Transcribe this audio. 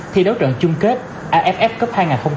thi đấu trận chung kết aff cup hai nghìn hai mươi